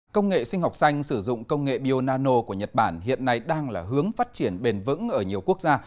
công nghệ sinh học xanh sử dụng công nghệ bionano của nhật bản hiện nay đang là hướng phát triển bền vững ở nhiều quốc gia